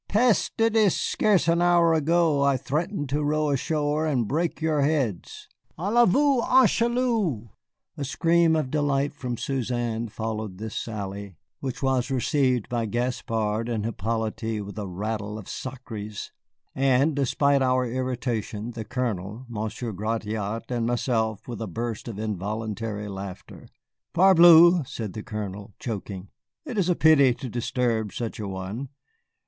Peste, it is scarce an hour ago I threatened to row ashore and break your heads. Allez vous en, jaloux!" A scream of delight from Suzanne followed this sally, which was received by Gaspard and Hippolyte with a rattle of sacrés, and despite our irritation the Colonel, Monsieur Gratiot, and myself with a burst of involuntary laughter. "Parbleu," said the Colonel, choking, "it is a pity to disturb such a one.